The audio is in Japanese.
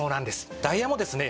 ダイヤもですね